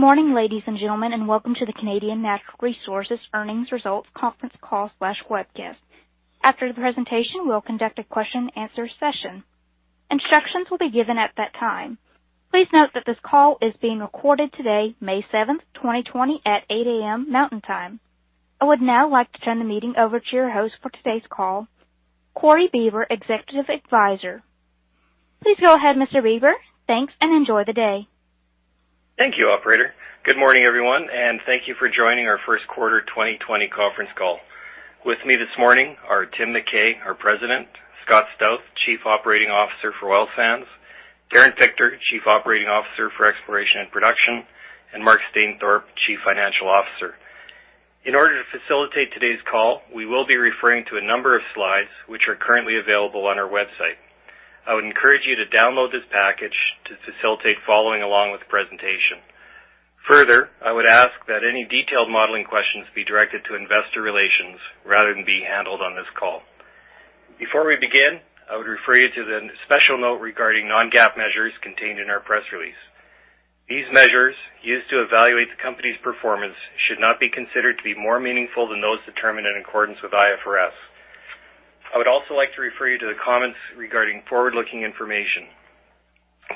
Good morning, ladies and gentlemen, Welcome to the Canadian Natural Resources earnings results conference call/webcast. After the presentation, we'll conduct a question and answer session. Instructions will be given at that time. Please note that this call is being recorded today, May 7, 2020, at 8:00 A.M. Mountain Time. I would now like to turn the meeting over to your host for today's call, Corey Bieber, Executive Advisor. Please go ahead, Mr. Bieber. Thanks, and enjoy the day. Thank you, operator. Good morning, everyone, and thank you for joining our first quarter 2020 conference call. With me this morning are Tim McKay, our President, Scott Stauth, Chief Operating Officer for Oil Sands, Darren Fichter, Chief Operating Officer for Exploration and Production, and Mark Stainthorpe, Chief Financial Officer. In order to facilitate today's call, we will be referring to a number of slides which are currently available on our website. I would encourage you to download this package to facilitate following along with the presentation. Further, I would ask that any detailed modeling questions be directed to investor relations rather than be handled on this call. Before we begin, I would refer you to the special note regarding non-GAAP measures contained in our press release. These measures used to evaluate the company's performance should not be considered to be more meaningful than those determined in accordance with IFRS. I would also like to refer you to the comments regarding forward-looking information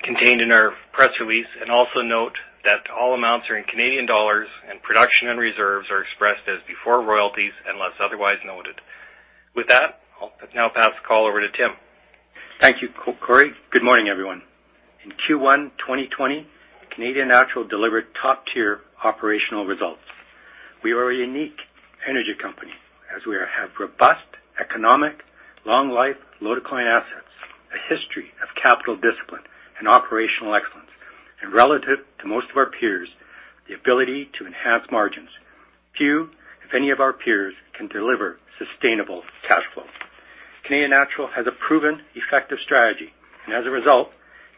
contained in our press release, and also note that all amounts are in Canadian dollars, and production and reserves are expressed as before royalties unless otherwise noted. With that, I'll now pass the call over to Tim. Thank you, Corey. Good morning, everyone. In Q1 2020, Canadian Natural delivered top-tier operational results. We are a unique energy company as we have robust economic long-life low-decline assets, a history of capital discipline and operational excellence, and relative to most of our peers, the ability to enhance margins. Few, if any, of our peers can deliver sustainable cash flow. Canadian Natural has a proven effective strategy, and as a result,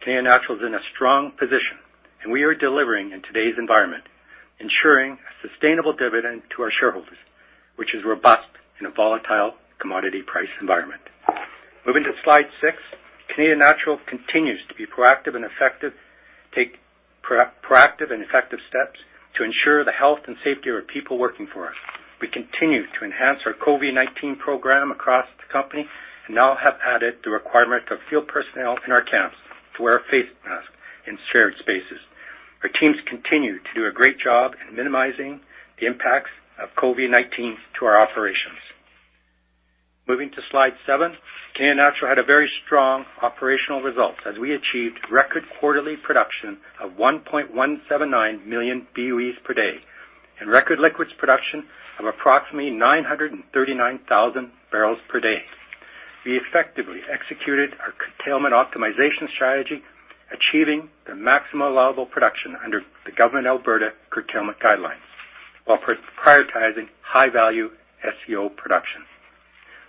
Canadian Natural is in a strong position, and we are delivering in today's environment, ensuring a sustainable dividend to our shareholders, which is robust in a volatile commodity price environment. Moving to slide six. Canadian Natural continues to take proactive and effective steps to ensure the health and safety of people working for us. We continue to enhance our COVID-19 program across the company and now have added the requirement of field personnel in our camps to wear face masks in shared spaces. Our teams continue to do a great job in minimizing the impacts of COVID-19 to our operations. Moving to slide seven. Canadian Natural had a very strong operational result as we achieved record quarterly production of 1.179 million BOEs per day and record liquids production of approximately 939,000 barrels per day. We effectively executed our curtailment optimization strategy, achieving the maximum allowable production under the government of Alberta curtailment guidelines while prioritizing high-value SCO production.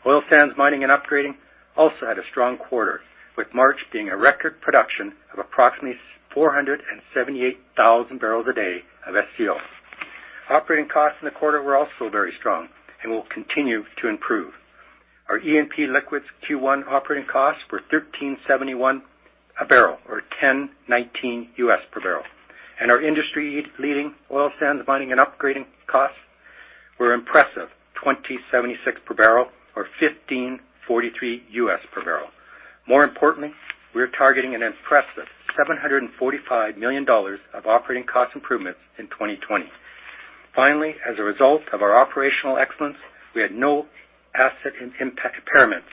Oil Sands Mining and Upgrading also had a strong quarter, with March being a record production of approximately 478,000 barrels a day of SCO. Operating costs in the quarter were also very strong and will continue to improve. Our E&P liquids Q1 operating costs were 13.71 a barrel or 10.19 per barrel. Our industry-leading Oil Sands Mining and Upgrading costs were impressive, 20.76 per barrel or 15.43 per barrel. More importantly, we're targeting an impressive 745 million dollars of operating cost improvements in 2020. Finally, as a result of our operational excellence, we had no asset impairments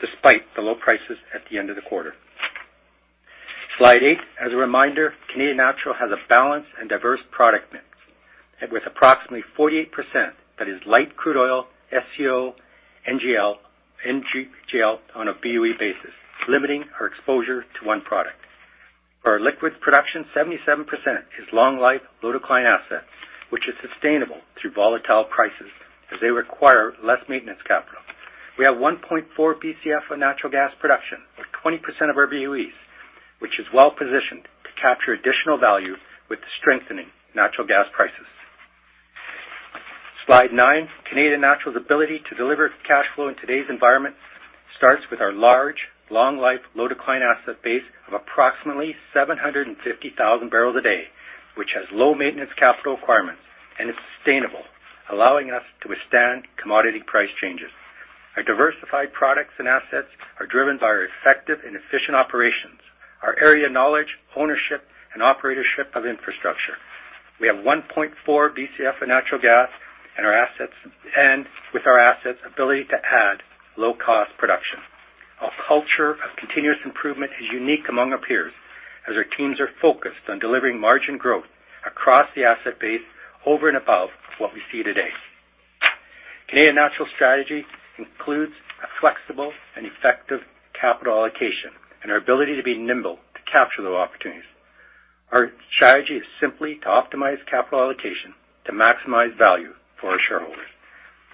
despite the low prices at the end of the quarter. Slide eight. As a reminder, Canadian Natural has a balanced and diverse product mix, and with approximately 48%, that is light crude oil, SCO, NGL on a BOE basis, limiting our exposure to one product. For our liquids production, 77% is long-life, low-decline assets, which is sustainable through volatile prices as they require less maintenance capital. We have 1.4 Bcf of natural gas production or 20% of our BOEs, which is well-positioned to capture additional value with the strengthening natural gas prices. Slide nine. Canadian Natural's ability to deliver cash flow in today's environment starts with our large, long-life, low-decline asset base of approximately 750,000 barrels a day, which has low maintenance capital requirements and is sustainable, allowing us to withstand commodity price changes. Our diversified products and assets are driven by our effective and efficient operations, our area knowledge, ownership, and operatorship of infrastructure. We have 1.4 Bcf of natural gas, with our assets' ability to add low-cost production. Our culture of continuous improvement is unique among our peers, as our teams are focused on delivering margin growth across the asset base over and above what we see today. Canadian Natural strategy includes a flexible and effective capital allocation and our ability to be nimble to capture those opportunities. Our strategy is simply to optimize capital allocation to maximize value for our shareholders.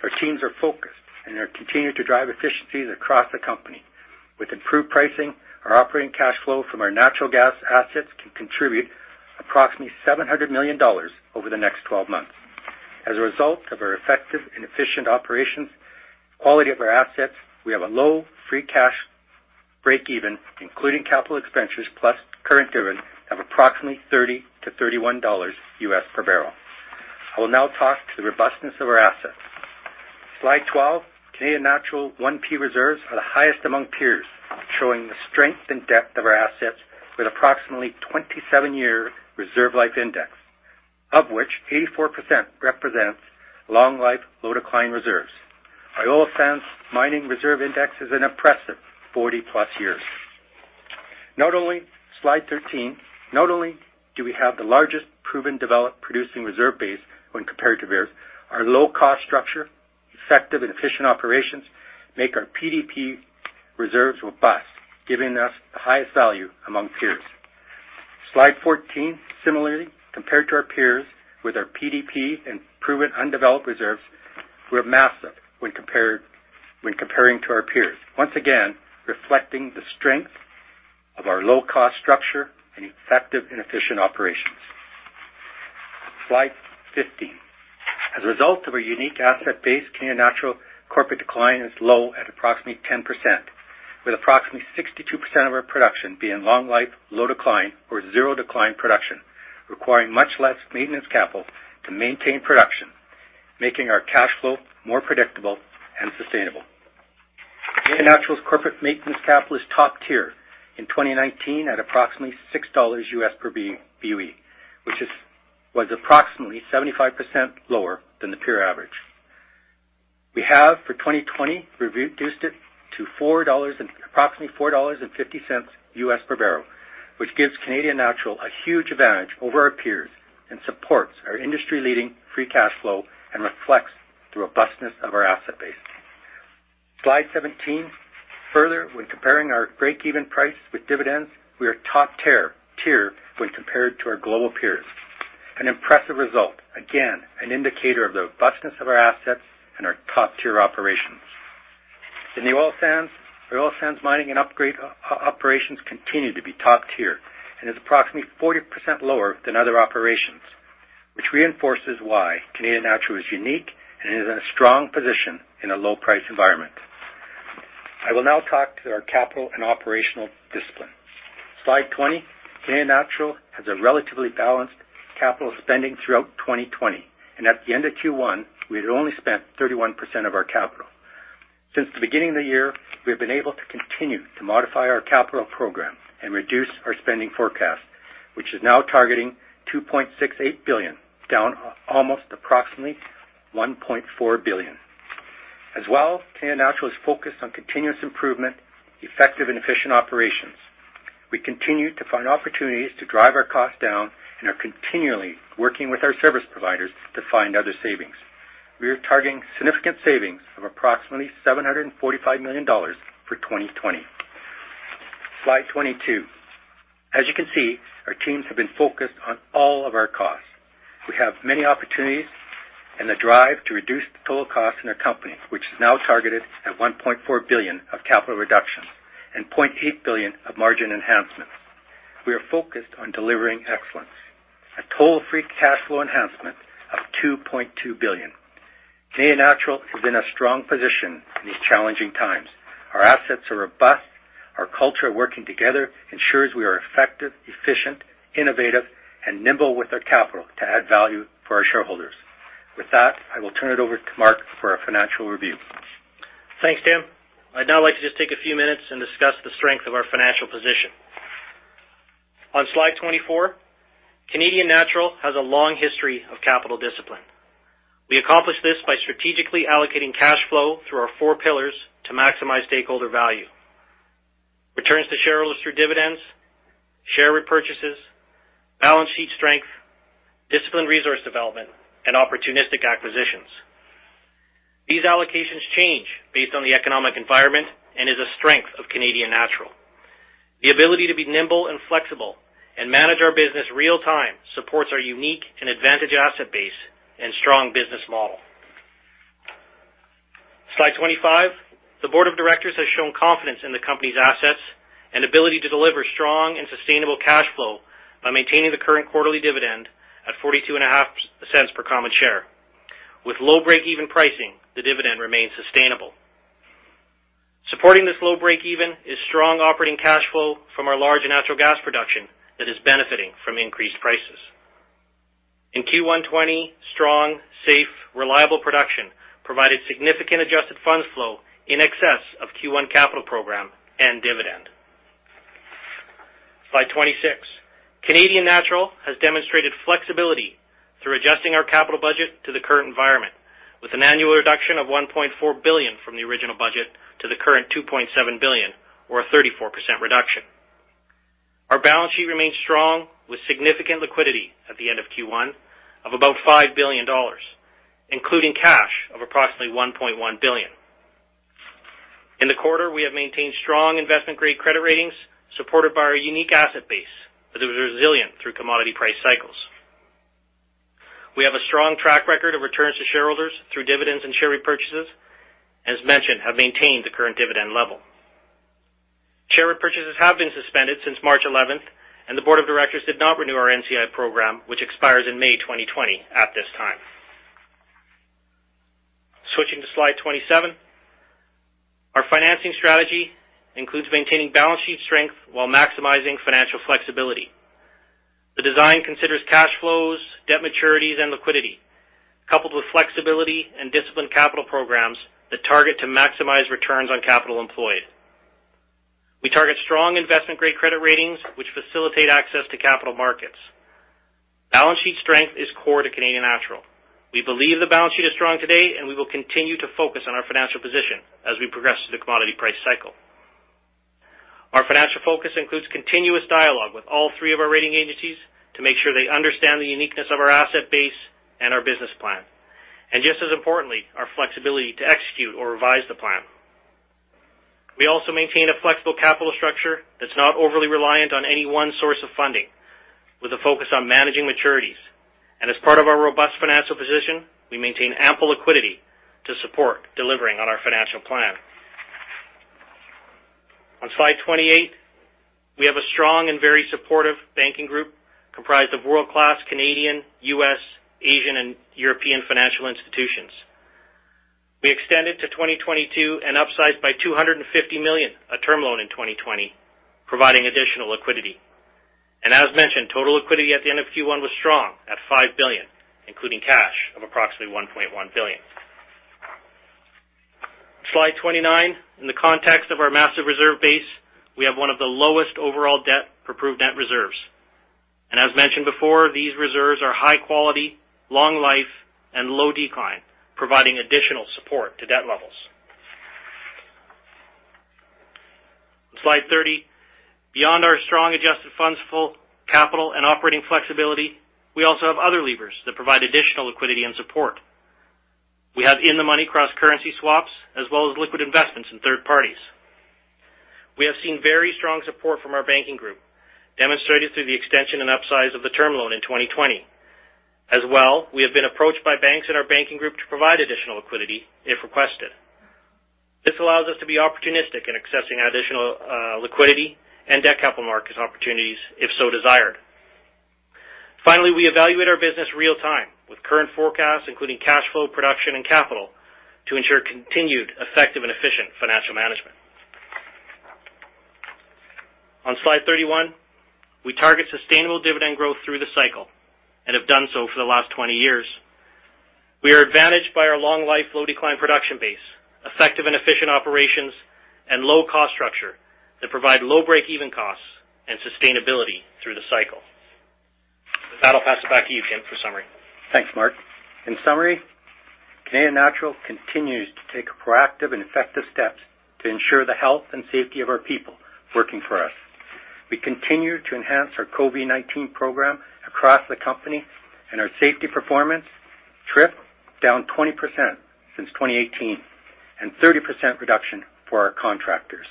Our teams are focused and are continuing to drive efficiencies across the company. With improved pricing, our operating cash flow from our natural gas assets can contribute approximately 700 million dollars over the next 12 months. As a result of our effective and efficient operations, quality of our assets, we have a low free cash flow breakeven, including capital expenditures plus current dividend of approximately $30-$31 US per barrel. I will now talk to the robustness of our assets. Slide 12. Canadian Natural 1P reserves are the highest among peers, showing the strength and depth of our assets with approximately 27-year reserve life index, of which 84% represents long life, low decline reserves. Our Oil Sands mining reserve index is an impressive 40-plus years. Slide 13. Not only do we have the largest proven developed producing reserve base when compared to peers, our low-cost structure, effective and efficient operations make our PDP reserves robust, giving us the highest value among peers. Slide 14. Similarly, compared to our peers with our PDP and proven undeveloped reserves, we're massive when comparing to our peers, once again, reflecting the strength of our low-cost structure and effective and efficient operations. Slide 15. As a result of our unique asset base, Canadian Natural corporate decline is low at approximately 10%, with approximately 62% of our production being long life, low decline or zero decline production, requiring much less maintenance capital to maintain production, making our cash flow more predictable and sustainable. Canadian Natural's corporate maintenance capital is top tier in 2019 at approximately $6 per BOE, which was approximately 75% lower than the peer average. We have, for 2020, reduced it to approximately $4.50 per barrel, which gives Canadian Natural a huge advantage over our peers and supports our industry-leading free cash flow and reflects the robustness of our asset base. Slide 17. Further, when comparing our breakeven price with dividends, we are top tier when compared to our global peers. An impressive result, again, an indicator of the robustness of our assets and our top-tier operations. In the oil sands, our Oil Sands Mining and Upgrading operations continue to be top tier and is approximately 40% lower than other operations, which reinforces why Canadian Natural is unique and is in a strong position in a low-price environment. I will now talk to our capital and operational discipline. Slide 20. Canadian Natural has a relatively balanced capital spending throughout 2020, and at the end of Q1, we had only spent 31% of our capital. Since the beginning of the year, we have been able to continue to modify our capital program and reduce our spending forecast, which is now targeting 2.68 billion, down almost approximately 1.4 billion. Canadian Natural is focused on continuous improvement, effective and efficient operations. We continue to find opportunities to drive our costs down and are continually working with our service providers to find other savings. We are targeting significant savings of approximately 745 million dollars for 2020. Slide 22. As you can see, our teams have been focused on all of our costs. We have many opportunities and the drive to reduce the total cost in our company, which is now targeted at 1.4 billion of CapEx reduction and 0.8 billion of margin enhancements. We are focused on delivering excellence, a total free cash flow enhancement of 2.2 billion Canadian dollars. Canadian Natural is in a strong position in these challenging times. Our assets are robust. Our culture of working together ensures we are effective, efficient, innovative, and nimble with our capital to add value for our shareholders. With that, I will turn it over to Mark for our financial review. Thanks, Tim. I'd now like to just take a few minutes and discuss the strength of our financial position. On slide 24, Canadian Natural has a long history of capital discipline. We accomplish this by strategically allocating cash flow through our four pillars to maximize stakeholder value, returns to shareholders through dividends, share repurchases, balance sheet strength, disciplined resource development, and opportunistic acquisitions. These allocations change based on the economic environment and is a strength of Canadian Natural. The ability to be nimble and flexible and manage our business real time supports our unique and advantage asset base and strong business model. Slide 25. The board of directors has shown confidence in the company's assets and ability to deliver strong and sustainable cash flow by maintaining the current quarterly dividend at 0.425 per common share. With low breakeven pricing, the dividend remains sustainable. Supporting this low breakeven is strong operating cash flow from our large natural gas production that is benefiting from increased prices. In Q1 2020, strong, safe, reliable production provided significant adjusted funds flow in excess of Q1 capital program and dividend. Slide 26. Canadian Natural has demonstrated flexibility through adjusting our capital budget to the current environment with an annual reduction of 1.4 billion from the original budget to the current 2.7 billion or a 34% reduction. Our balance sheet remains strong with significant liquidity at the end of Q1 of about 5 billion dollars, including cash of approximately 1.1 billion. In the quarter, we have maintained strong investment-grade credit ratings supported by our unique asset base that is resilient through commodity price cycles. We have a strong track record of returns to shareholders through dividends and share repurchases, as mentioned, have maintained the current dividend level. Share repurchases have been suspended since March 11th. The board of directors did not renew our NCIB program, which expires in May 2020 at this time. Switching to slide 27. Our financing strategy includes maintaining balance sheet strength while maximizing financial flexibility. The design considers cash flows, debt maturities, and liquidity, coupled with flexibility and disciplined capital programs that target to maximize returns on capital employed. We target strong investment-grade credit ratings, which facilitate access to capital markets. Balance sheet strength is core to Canadian Natural. We believe the balance sheet is strong today, and we will continue to focus on our financial position as we progress through the commodity price cycle. Our financial focus includes continuous dialogue with all three of our rating agencies to make sure they understand the uniqueness of our asset base and our business plan, and just as importantly, our flexibility to execute or revise the plan. We also maintain a flexible capital structure that's not overly reliant on any one source of funding, with a focus on managing maturities. As part of our robust financial position, we maintain ample liquidity to support delivering on our financial plan. On slide 28, we have a strong and very supportive banking group comprised of world-class Canadian, U.S., Asian, and European financial institutions. We extended to 2022 and upsized by 250 million a term loan in 2020, providing additional liquidity. As mentioned, total liquidity at the end of Q1 was strong at 5 billion, including cash of approximately 1.1 billion. Slide 29. In the context of our massive reserve base, we have one of the lowest overall debt per proved net reserves. As mentioned before, these reserves are high quality, long life, and low decline, providing additional support to debt levels. Slide 30. Beyond our strong adjusted funds flow, capital, and operating flexibility, we also have other levers that provide additional liquidity and support. We have in-the-money cross-currency swaps, as well as liquid investments in third parties. We have seen very strong support from our banking group, demonstrated through the extension and upsize of the term loan in 2020. As well, we have been approached by banks in our banking group to provide additional liquidity if requested. This allows us to be opportunistic in accessing additional liquidity and debt capital market opportunities if so desired. Finally, we evaluate our business real-time with current forecasts, including cash flow, production, and capital to ensure continued effective and efficient financial management. On slide 31, we target sustainable dividend growth through the cycle and have done so for the last 20 years. We are advantaged by our long life, low decline production base, effective and efficient operations, and low-cost structure that provide low breakeven costs and sustainability through the cycle. With that, I'll pass it back to you, Tim, for summary. Thanks, Mark. In summary, Canadian Natural continues to take proactive and effective steps to ensure the health and safety of our people working for us. We continue to enhance our COVID-19 program across the company, and our safety performance trip down 20% since 2018, and 30% reduction for our contractors.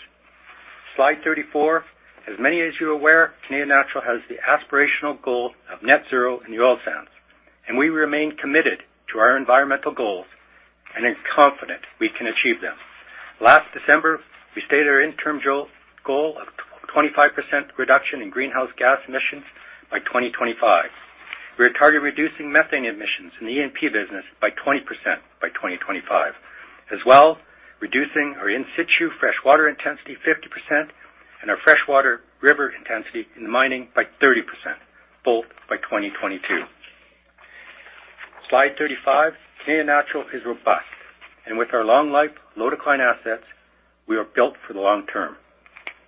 Slide 34. As many as you are aware, Canadian Natural has the aspirational goal of net zero in the Oil Sands, and we remain committed to our environmental goals and are confident we can achieve them. Last December, we stated our interim goal of 25% reduction in greenhouse gas emissions by 2025. We are target reducing methane emissions in the E&P business by 20% by 2025. As well, reducing our in-situ freshwater intensity 50% and our freshwater river intensity in mining by 30%, both by 2022. Slide 35. Canadian Natural is robust, and with our long life, low decline assets, we are built for the long term.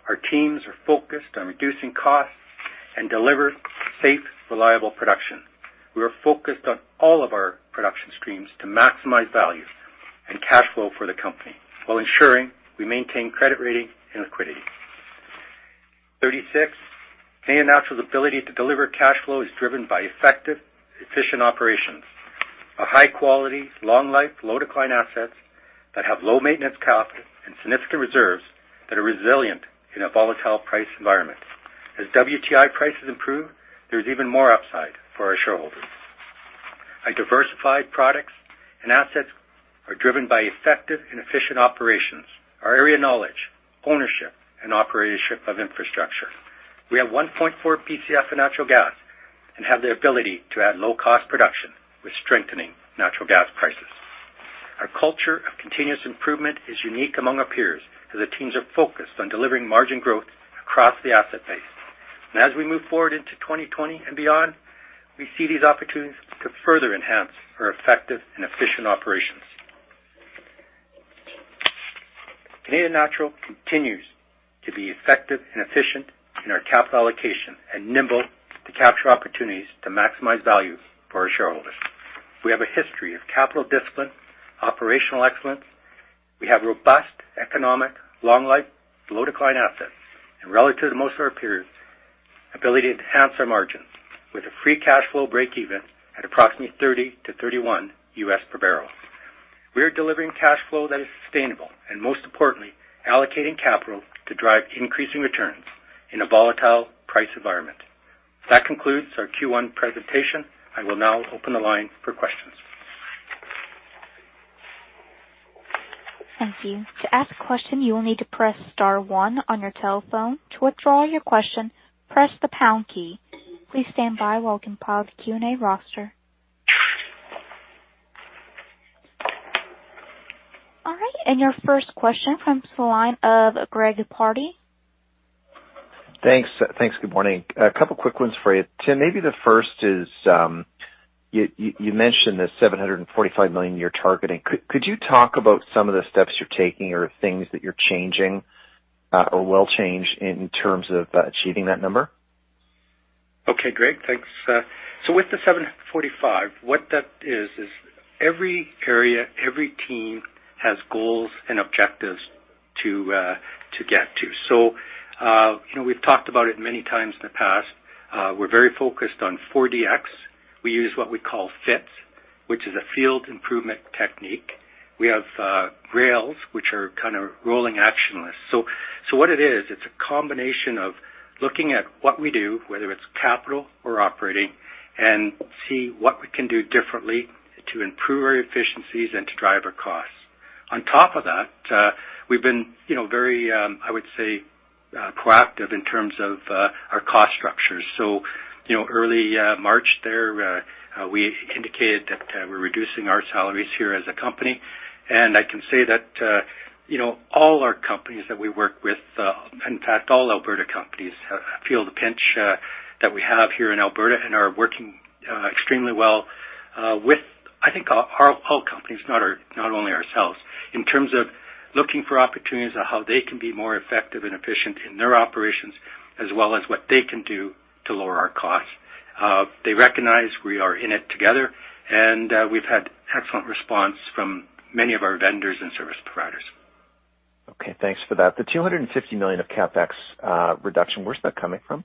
Our teams are focused on reducing costs and deliver safe, reliable production. We are focused on all of our production streams to maximize value and cash flow for the company while ensuring we maintain credit rating and liquidity. 36. Canadian Natural's ability to deliver cash flow is driven by effective, efficient operations, a high quality, long life, low decline assets that have low maintenance capital and significant reserves that are resilient in a volatile price environment. As WTI prices improve, there's even more upside for our shareholders. Our diversified products and assets are driven by effective and efficient operations, our area knowledge, ownership, and operatorship of infrastructure. We have 1.4 Bcf of natural gas and have the ability to add low cost production with strengthening natural gas prices. Our culture of continuous improvement is unique among our peers as the teams are focused on delivering margin growth across the asset base. As we move forward into 2020 and beyond, we see these opportunities to further enhance our effective and efficient operations. Canadian Natural continues to be effective and efficient in our capital allocation and nimble to capture opportunities to maximize value for our shareholders. We have a history of capital discipline, operational excellence. We have robust economic, long life, low decline assets, and relative to most of our peers, ability to enhance our margins with a free cash flow breakeven at approximately $30-$31 U.S. per barrel. We are delivering cash flow that is sustainable, and most importantly, allocating capital to drive increasing returns in a volatile price environment. That concludes our Q1 presentation. I will now open the line for questions. Thank you. To ask a question, you will need to press star one on your telephone. To withdraw your question, press the pound key. Please stand by while I compile the Q&A roster. All right, your first question comes to the line of Greg Pardy. Thanks. Good morning. A couple quick ones for you, Tim. Maybe the first is, you mentioned the 745 million you're targeting. Could you talk about some of the steps you're taking or things that you're changing or will change in terms of achieving that number? Okay, Greg Pardy, thanks. With the 745, what that is every area, every team has goals and objectives to get to. We've talked about it many times in the past. We're very focused on 4DX. We use what we call FIT, which is a field improvement technique. We have Rails, which are kind of rolling action lists. What it is, it's a combination of looking at what we do, whether it's capital or operating, and see what we can do differently to improve our efficiencies and to drive our costs. On top of that, we've been very, I would say, proactive in terms of our cost structures. Early March there, we indicated that we're reducing our salaries here as a company, and I can say that all our companies that we work with, in fact, all Alberta companies feel the pinch that we have here in Alberta and are working extremely well with, I think, all companies, not only ourselves, in terms of looking for opportunities on how they can be more effective and efficient in their operations, as well as what they can do to lower our costs. They recognize we are in it together, and we've had excellent response from many of our vendors and service providers. Okay, thanks for that. The 250 million of CapEx reduction, where's that coming from?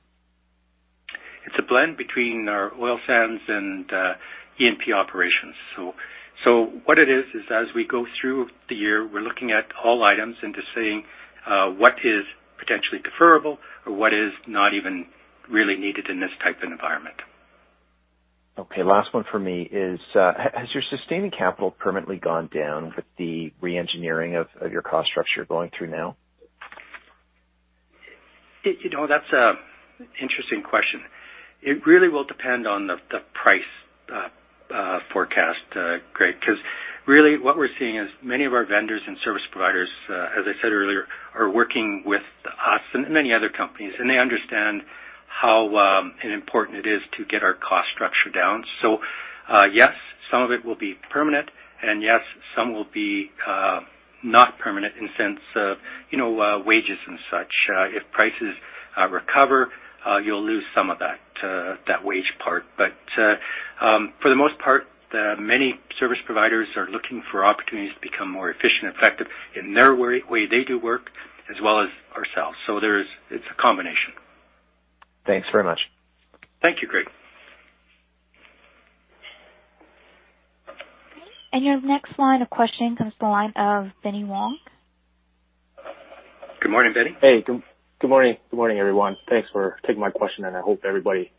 It's a blend between our Oil Sands and E&P operations. What it is as we go through the year, we're looking at all items and just seeing what is potentially deferrable or what is not even really needed in this type of environment. Okay. Last one for me is, has your sustaining capital permanently gone down with the re-engineering of your cost structure going through now? That's an interesting question. It really will depend on the price forecast, Greg, because really what we're seeing is many of our vendors and service providers, as I said earlier, are working with us and many other companies, and they understand how important it is to get our cost structure down. Yes, some of it will be permanent, and yes, some will be not permanent in the sense of wages and such. If prices recover, you'll lose some of that wage part. For the most part, many service providers are looking for opportunities to become more efficient and effective in their way they do work, as well as ourselves. It's a combination. Thanks very much. Thank you, Greg. Your next line of questioning comes to the line of Benny Wong. Good morning, Benny. Hey. Good morning, everyone. Thanks for taking my question. I hope everybody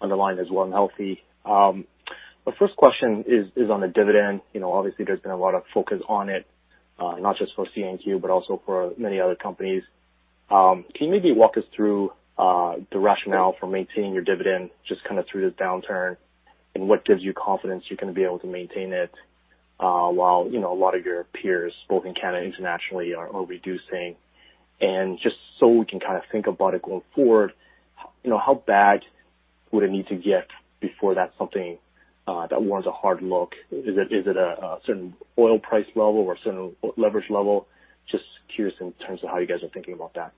on the line is well and healthy. The first question is on the dividend. Obviously, there's been a lot of focus on it, not just for CNQ, but also for many other companies. Can you maybe walk us through the rationale for maintaining your dividend just kind of through this downturn, and what gives you confidence you're going to be able to maintain it, while a lot of your peers, both in Canada, internationally, are reducing? Just so we can kind of think about it going forward, how bad would it need to get before that's something that warrants a hard look? Is it a certain oil price level or a certain leverage level? Just curious in terms of how you guys are thinking about that.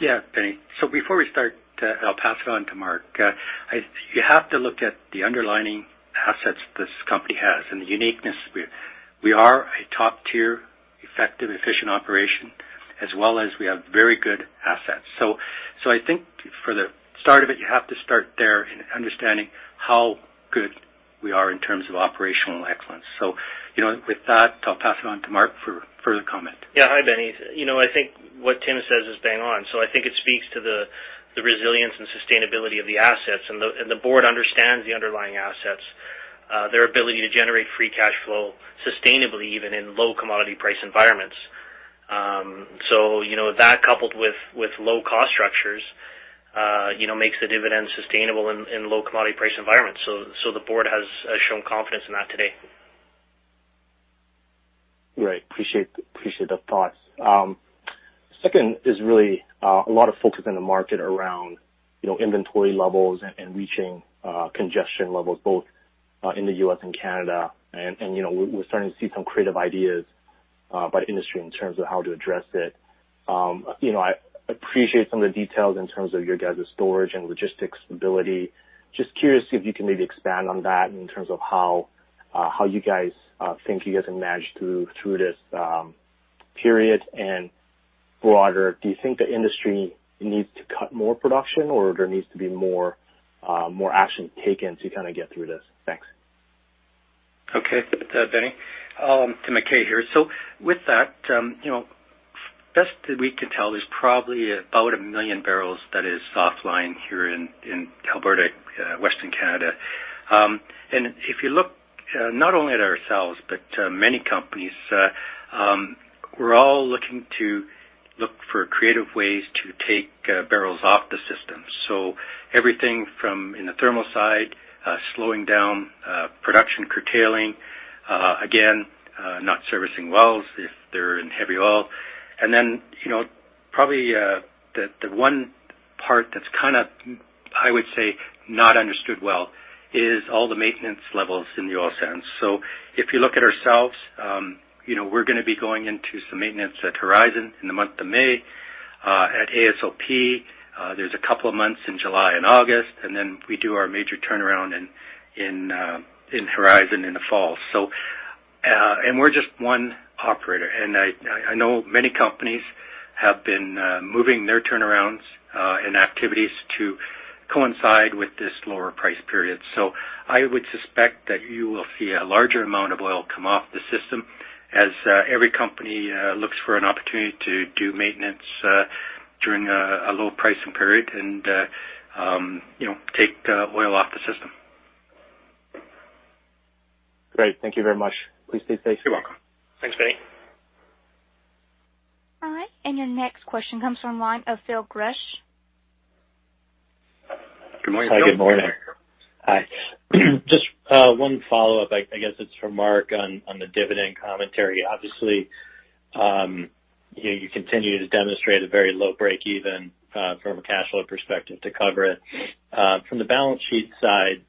Yeah, Benny. Before we start, I'll pass it on to Mark. You have to look at the underlying assets this company has and the uniqueness. We are a top-tier, effective, efficient operation, as well as we have very good assets. I think for the start of it, you have to start there in understanding how good we are in terms of operational excellence. With that, I'll pass it on to Mark for further comment. Yeah. Hi, Benny. I think what Tim says is bang on. I think it speaks to the resilience and sustainability of the assets, and the board understands the underlying assets, their ability to generate free cash flow sustainably, even in low commodity price environments. That coupled with low-cost structures makes the dividend sustainable in low commodity price environments. The board has shown confidence in that today. Right. Appreciate the thoughts. Second is really a lot of focus in the market around inventory levels and reaching congestion levels both in the U.S. and Canada. We're starting to see some creative ideas by the industry in terms of how to address it. I appreciate some of the details in terms of your guys' storage and logistics ability. Just curious if you can maybe expand on that in terms of how you guys think you guys can manage through this period. Broader, do you think the industry needs to cut more production or there needs to be more action taken to kind of get through this? Thanks. Okay, Benny. Tim McKay here. With that, best that we can tell is probably about a million barrels that is offline here in Alberta, Western Canada. If you look not only at ourselves, but many companies, we're all looking to look for creative ways to take barrels off the system. Everything from, in the thermal side, slowing down production curtailing, again, not servicing wells if they're in heavy oil. Then, probably the one part that's kind of, I would say, not understood well is all the maintenance levels in the oil sands. If you look at ourselves, we're going to be going into some maintenance at Horizon in the month of May. At AOSP, there's a couple of months in July and August. Then we do our major turnaround in Horizon in the fall. We're just one operator, and I know many companies have been moving their turnarounds and activities to coincide with this lower price period. I would suspect that you will see a larger amount of oil come off the system as every company looks for an opportunity to do maintenance during a low pricing period and take oil off the system. Great. Thank you very much. Please stay safe. You're welcome. Thanks, Benny. All right. Your next question comes from the line of Phil Gresh. Good morning, Phil. Hi, good morning. Phil, your line is open. Hi. Just one follow-up, I guess it's for Mark on the dividend commentary. Obviously, you continue to demonstrate a very low breakeven from a cash flow perspective to cover it. From the balance sheet side,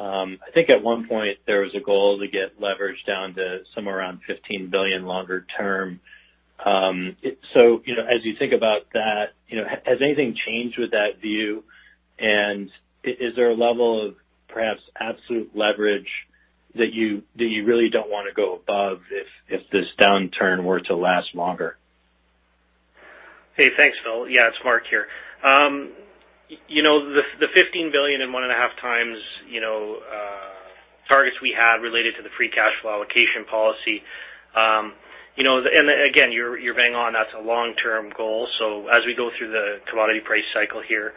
I think at one point there was a goal to get leverage down to somewhere around 15 billion longer term. As you think about that, has anything changed with that view? Is there a level of perhaps absolute leverage that you really don't want to go above if this downturn were to last longer? Hey, thanks, Phil. Yeah, it's Mark here. The CAD 15 billion and 1.5x targets we had related to the free cash flow allocation policy. Again, you're bang on, that's a long-term goal. As we go through the commodity price cycle here,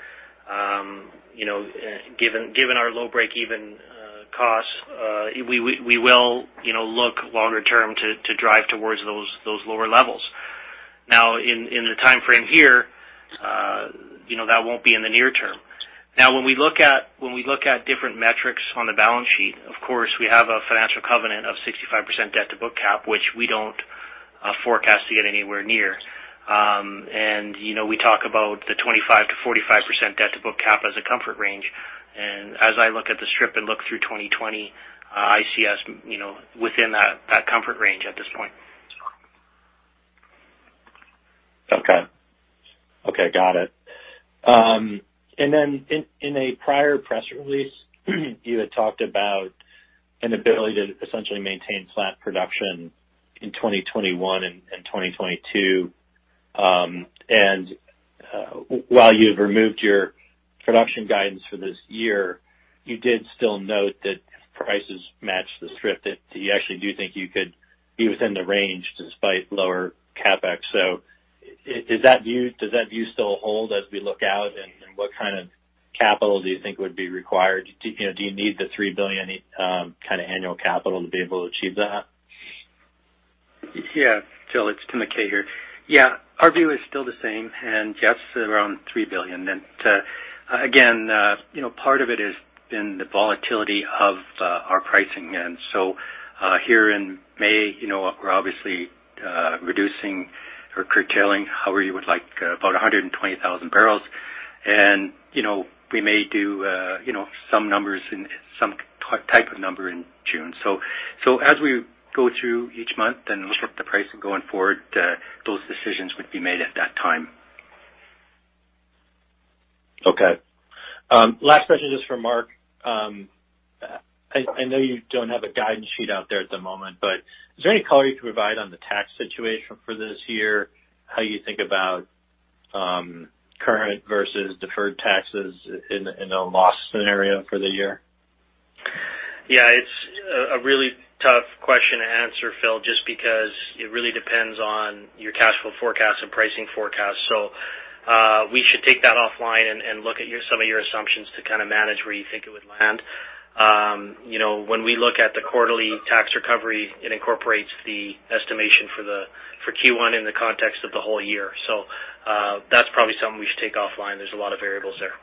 given our low breakeven costs, we will look longer term to drive towards those lower levels. In the timeframe here, that won't be in the near term. When we look at different metrics on the balance sheet, of course, we have a financial covenant of 65% debt to book cap, which we don't forecast to get anywhere near. We talk about the 25%-45% debt to book cap as a comfort range. As I look at the strip and look through 2020, I see us within that comfort range at this point. Okay. Got it. In a prior press release, you had talked about an ability to essentially maintain flat production in 2021 and 2022. While you've removed your production guidance for this year, you did still note that if prices match the strip, that you actually do think you could be within the range despite lower CapEx. Does that view still hold as we look out, what kind of capital do you think would be required? Do you need the 3 billion annual capital to be able to achieve that? Yeah. Phil, it's Tim McKay here. Yeah, our view is still the same, and yes, around 3 billion. Again, part of it has been the volatility of our pricing. Here in May, we're obviously reducing or curtailing, however you would like, about 120,000 barrels, and we may do some type of number in June. As we go through each month and look at the pricing going forward, those decisions would be made at that time. Okay. Last question is for Mark. I know you don't have a guidance sheet out there at the moment, but is there any color you could provide on the tax situation for this year? How you think about current versus deferred taxes in a loss scenario for the year? Yeah, it's a really tough question to answer, Phil, just because it really depends on your cash flow forecast and pricing forecast. We should take that offline and look at some of your assumptions to kind of manage where you think it would land. When we look at the quarterly tax recovery, it incorporates the estimation for Q1 in the context of the whole year. That's probably something we should take offline. There's a lot of variables there.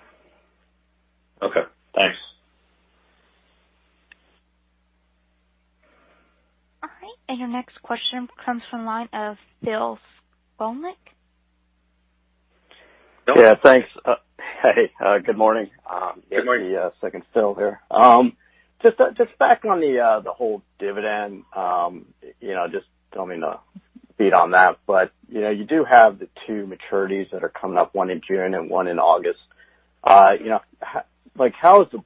Okay, thanks. All right. Your next question comes from the line of Phil Skolnick. Phil? Yeah, thanks. Hey, good morning. Good morning. It's the second Phil here. Just backing on the whole dividend, just don't mean to beat on that, but you do have the two maturities that are coming up, one in June and one in August. How did the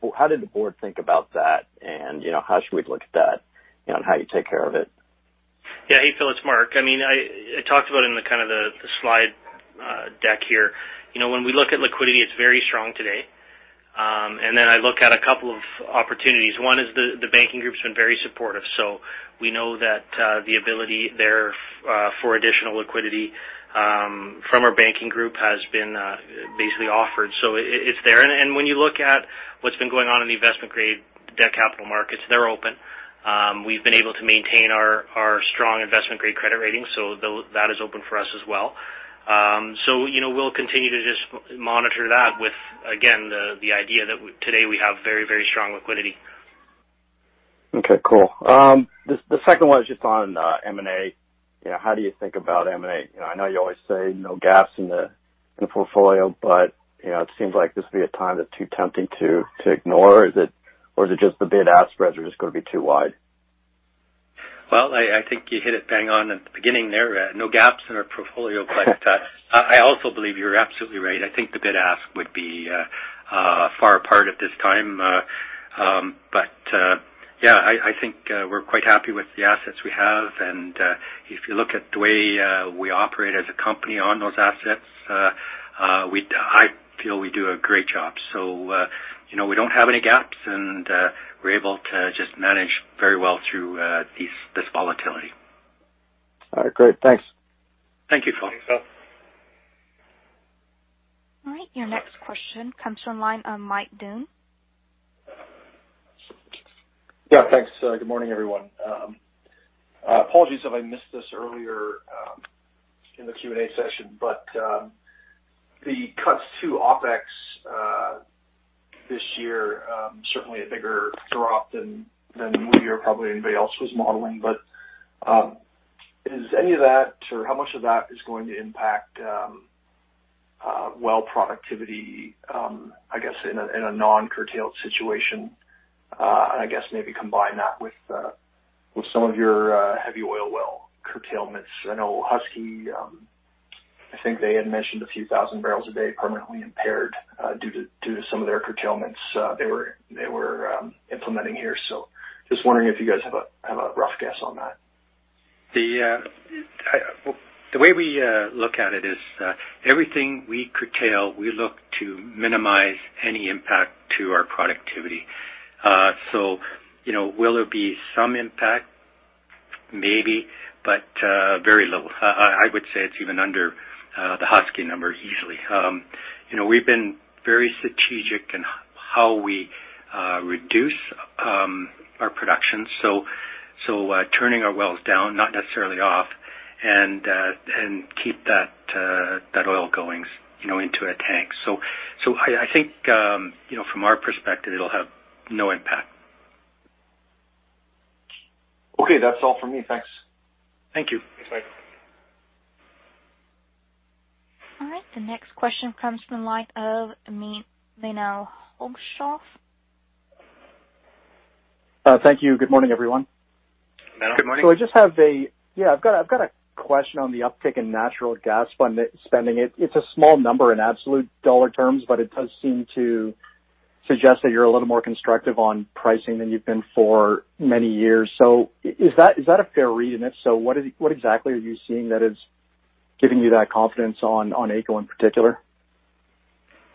board think about that, and how should we look at that, and how do you take care of it? Yeah. Hey, Phil, it's Mark. I talked about it in the slide deck here. When we look at liquidity, it's very strong today. I look at a couple of opportunities. One is the banking group's been very supportive, so we know that the ability there for additional liquidity from our banking group has been basically offered. It's there. When you look at what's been going on in the investment grade debt capital markets, they're open. We've been able to maintain our strong investment grade credit rating, so that is open for us as well. We'll continue to just monitor that with, again, the idea that today we have very strong liquidity. Okay, cool. The second one is just on M&A. How do you think about M&A? I know you always say no gaps in the portfolio, but it seems like this would be a time that's too tempting to ignore. Is it just the bid-ask spreads are just going to be too wide? I think you hit it bang on at the beginning there, no gaps in our portfolio. I also believe you're absolutely right. I think the bid-ask would be far apart at this time. Yeah, I think we're quite happy with the assets we have, and if you look at the way we operate as a company on those assets, I feel we do a great job. We don't have any gaps, and we're able to just manage very well through this volatility. All right, great. Thanks. Thank you, Phil. Thanks, Phil. All right. Your next question comes from the line of Mike Dunn. Yeah, thanks. Good morning, everyone. Apologies if I missed this earlier in the Q&A session, the cuts to OpEx this year, certainly a bigger drop than we or probably anybody else was modeling. Is any of that or how much of that is going to impact well productivity, I guess, in a non-curtailed situation? I guess maybe combine that with some of your heavy oil well curtailments. I know Husky, I think they had mentioned a few thousand barrels a day permanently impaired due to some of their curtailments they were implementing here. Just wondering if you guys have a rough guess on that. The way we look at it is everything we curtail, we look to minimize any impact to our productivity. Will there be some impact? Maybe, but very little. I would say it's even under the Husky number easily. We've been very strategic in how we reduce our production. Turning our wells down, not necessarily off, and keep that oil going into a tank. I think from our perspective, it'll have no impact. Okay. That's all for me. Thanks. Thank you. Thanks, Mike. All right. The next question comes from the line of Menno Hulshof. Thank you. Good morning, everyone. Good morning. I've got a question on the uptick in natural gas spending. It's a small number in absolute dollar terms, but it does seem to suggest that you're a little more constructive on pricing than you've been for many years. Is that a fair read in it? What exactly are you seeing that is giving you that confidence on AECO in particular?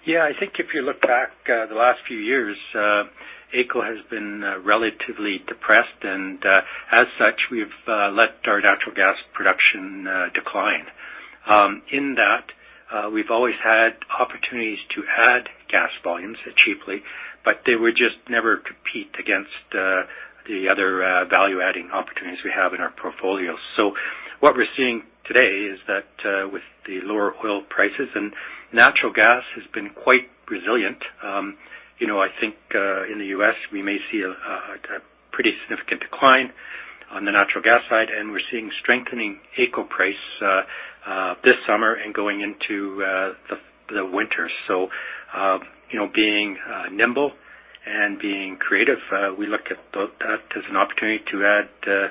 Yeah, I think if you look back the last few years, AECO has been relatively depressed, and as such, we've let our natural gas production decline. In that, we've always had opportunities to add gas volumes cheaply, but they would just never compete against the other value-adding opportunities we have in our portfolio. What we're seeing today is that with the lower oil prices and natural gas has been quite resilient. I think in the U.S. we may see a pretty significant decline on the natural gas side, and we're seeing strengthening AECO price this summer and going into the winter. Being nimble and being creative, we look at that as an opportunity to add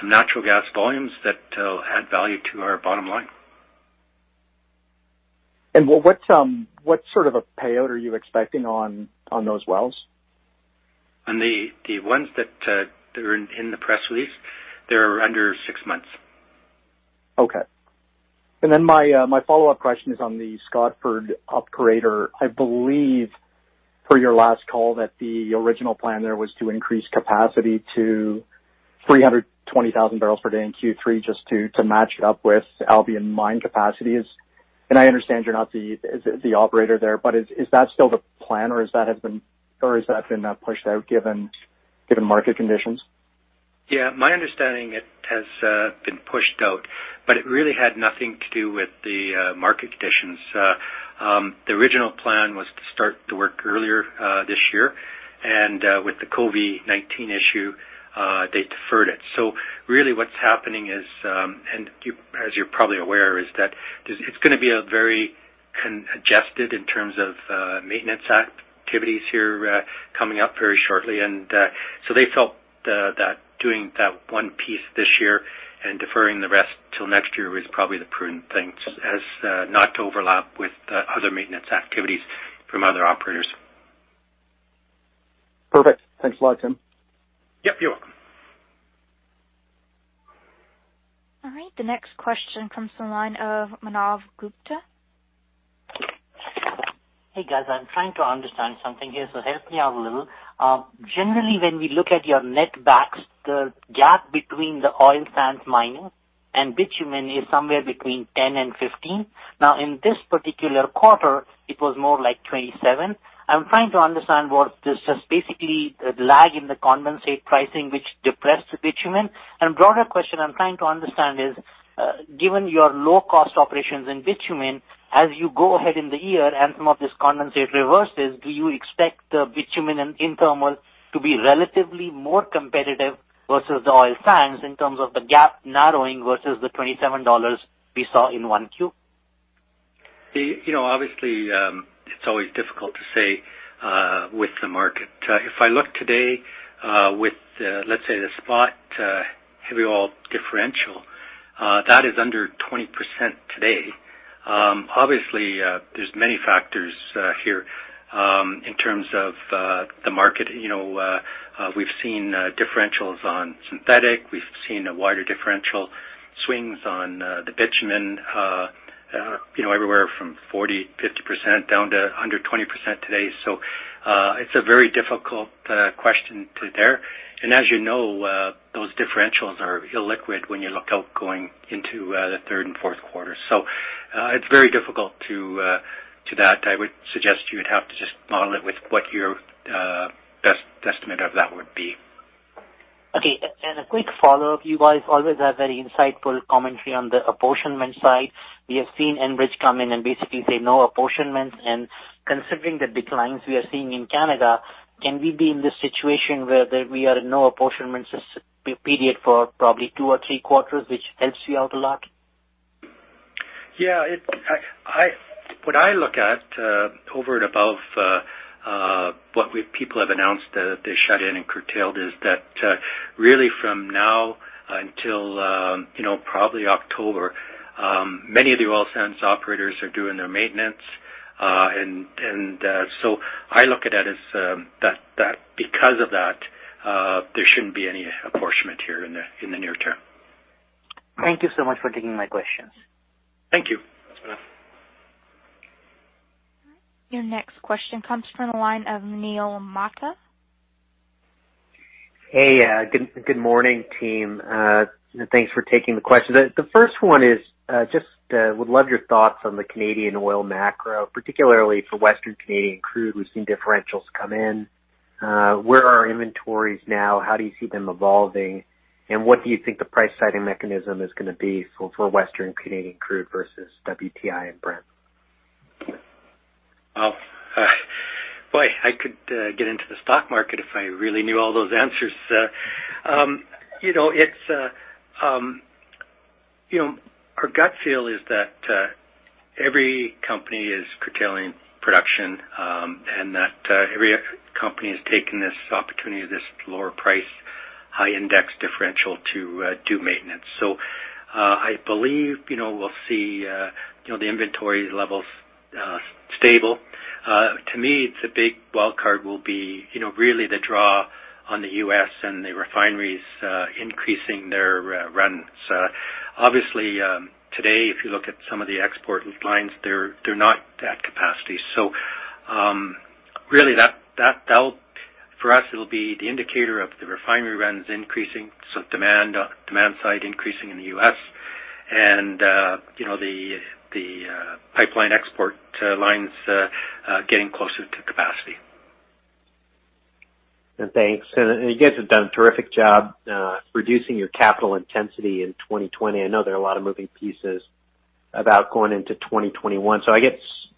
some natural gas volumes that will add value to our bottom line. What sort of a payout are you expecting on those wells? On the ones that are in the press release, they are under six months. Okay. My follow-up question is on the Scotford operator. I believe per your last call that the original plan there was to increase capacity to 320,000 barrels per day in Q3 just to match up with Albian mine capacities. I understand you're not the operator there, but is that still the plan or has that been pushed out given market conditions? Yeah. My understanding, it has been pushed out. It really had nothing to do with the market conditions. The original plan was to start the work earlier this year, and with the COVID-19 issue, they deferred it. Really what's happening is, and as you're probably aware, is that it's going to be very congested in terms of maintenance activities here coming up very shortly. They felt that doing that one piece this year and deferring the rest till next year was probably the prudent thing as not to overlap with other maintenance activities from other operators. Perfect. Thanks a lot, Tim. Yep, you're welcome. The next question comes from the line of Manav Gupta. Hey, guys. I'm trying to understand something here, so help me out a little. Generally, when we look at your net backs, the gap between the Oil Sands Mining and Upgrading is somewhere between 10-15. In this particular quarter, it was more like 27. I'm trying to understand what this is. Basically, the lag in the condensate pricing, which depressed the bitumen. Broader question I'm trying to understand is, given your low cost operations in bitumen, as you go ahead in the year and some of this condensate reverses, do you expect the bitumen and in thermal in situ to be relatively more competitive versus the oil sands in terms of the gap narrowing versus the 27 dollars we saw in 1Q? It's always difficult to say with the market. If I look today with, let's say, the spot heavy oil differential, that is under 20% today. There's many factors here in terms of the market. We've seen differentials on synthetic. We've seen wider differential swings on the bitumen everywhere from 40, 50% down to under 20% today. It's a very difficult question to dare. As you know, those differentials are illiquid when you look out going into the third and fourth quarter. It's very difficult to that. I would suggest you would have to just model it with what your best estimate of that would be. Okay. A quick follow-up. You guys always have very insightful commentary on the apportionment side. We have seen Enbridge come in and basically say no apportionments. Considering the declines we are seeing in Canada, can we be in this situation where we are in no apportionments period for probably two or three quarters, which helps you out a lot? Yeah. What I look at over and above what people have announced that they shut in and curtailed is that really from now until probably October, many of the Oil Sands operators are doing their maintenance. I look at that as that because of that, there shouldn't be any apportionment here in the near term. Thank you so much for taking my questions. Thank you. Thanks, Manav. Your next question comes from the line of Neil Mehta. Hey, good morning, team. Thanks for taking the question. The first one is just would love your thoughts on the Canadian oil macro, particularly for Western Canadian crude. We've seen differentials come in. Where are inventories now? How do you see them evolving? What do you think the price setting mechanism is going to be for Western Canadian crude versus WTI and Brent? Boy, I could get into the stock market if I really knew all those answers. Our gut feel is that every company is curtailing production, and that every company has taken this opportunity of this lower price, high index differential to do maintenance. I believe we'll see the inventory levels stable. To me, the big wild card will be really the draw on the U.S. and the refineries increasing their runs. Obviously, today, if you look at some of the export lines, they're not at capacity. Really for us, it'll be the indicator of the refinery runs increasing, so demand side increasing in the U.S. and the pipeline export lines getting closer to capacity. Thanks. You guys have done a terrific job reducing your capital intensity in 2020. I know there are a lot of moving pieces about going into 2021. I guess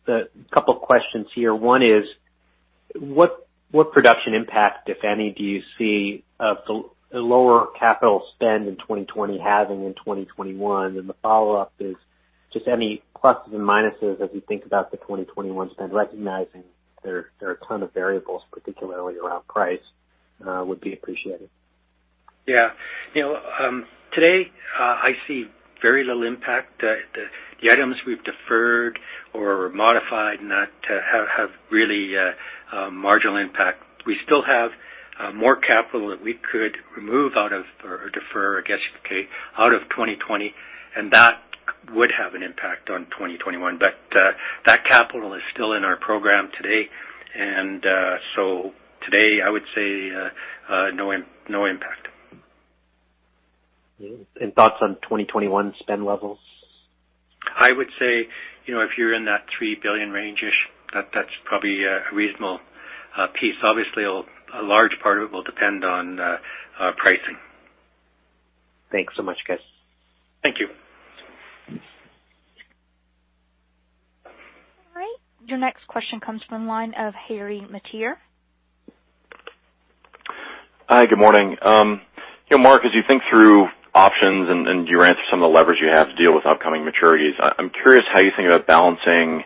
a couple of questions here. One is, what production impact, if any, do you see the lower capital spend in 2020 having in 2021? The follow-up is just any pluses and minuses as we think about the 2021 spend, recognizing there are a ton of variables, particularly around price would be appreciated. Yeah. Today, I see very little impact. The items we've deferred or modified have really a marginal impact. We still have more capital that we could remove out of or defer, I guess, out of 2020, and that would have an impact on 2021. That capital is still in our program today, and so today, I would say no impact. Thoughts on 2021 spend levels? I would say if you're in that 3 billion range-ish, that's probably a reasonable piece. Obviously, a large part of it will depend on pricing. Thanks so much, guys. Thank you. All right, your next question comes from the line of Harry Mateer. Hi. Good morning. Mark, as you think through options and you answer some of the levers you have to deal with upcoming maturities, I'm curious how you think about balancing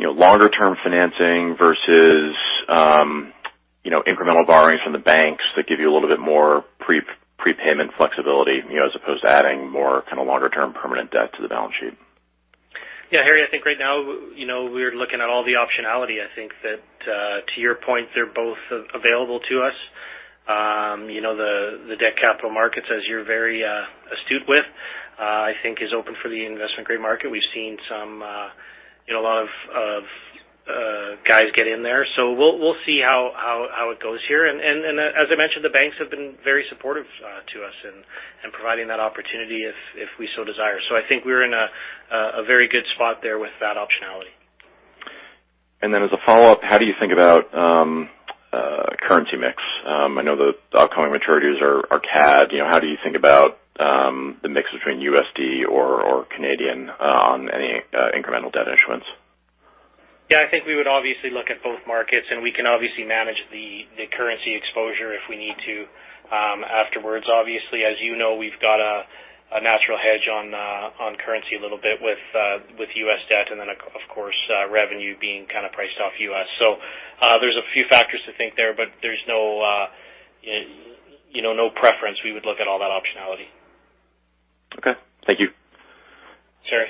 longer-term financing versus incremental borrowings from the banks that give you a little bit more prepayment flexibility as opposed to adding more longer-term permanent debt to the balance sheet. Harry, I think right now, we're looking at all the optionality. I think that to your point, they're both available to us. The debt capital markets, as you're very astute with, I think is open for the investment-grade market. We've seen a lot of guys get in there. We'll see how it goes here. As I mentioned, the banks have been very supportive to us in providing that opportunity if we so desire. I think we're in a very good spot there with that optionality. As a follow-up, how do you think about currency mix? I know the upcoming maturities are CAD. How do you think about the mix between USD or CAD on any incremental debt issuance? Yeah, I think we would obviously look at both markets, and we can obviously manage the currency exposure if we need to afterwards. Obviously, as you know, we've got a natural hedge on currency a little bit with U.S. debt, and then of course, revenue being kind of priced off U.S. There's a few factors to think there, but there's no preference. We would look at all that optionality. Okay. Thank you. Sure.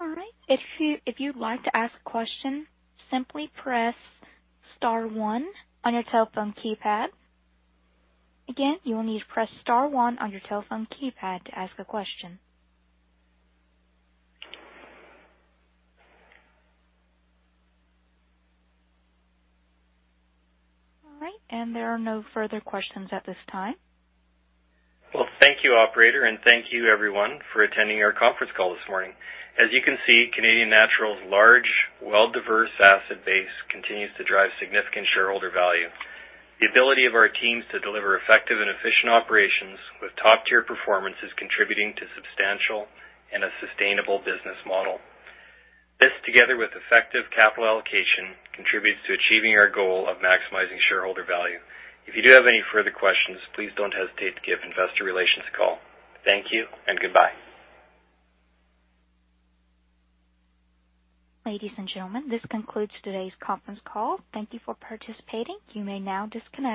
All right. If you'd like to ask a question, simply press star one on your telephone keypad. Again, you will need to press star one on your telephone keypad to ask a question. All right. There are no further questions at this time. Well, thank you, operator, and thank you everyone for attending our conference call this morning. As you can see, Canadian Natural's large, well-diverse asset base continues to drive significant shareholder value. The ability of our teams to deliver effective and efficient operations with top-tier performance is contributing to substantial and a sustainable business model. This, together with effective capital allocation, contributes to achieving our goal of maximizing shareholder value. If you do have any further questions, please don't hesitate to give investor relations a call. Thank you and goodbye. Ladies and gentlemen, this concludes today's conference call. Thank you for participating. You may now disconnect.